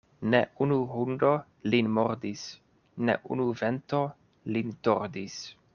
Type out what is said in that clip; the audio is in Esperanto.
Ne unu hundo lin mordis, ne unu vento lin tordis.